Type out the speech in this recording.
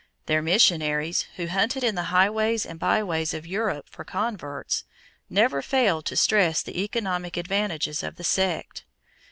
Their missionaries, who hunted in the highways and byways of Europe for converts, never failed to stress the economic advantages of the sect.